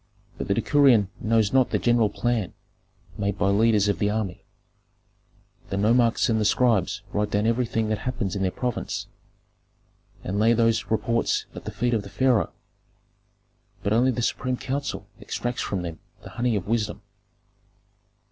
But the decurion knows not the general plan made by leaders of the army. The nomarchs and the scribes write down everything that happens in their province, and lay those reports at the feet of the pharaoh. But only the supreme council extracts from them the honey of wisdom."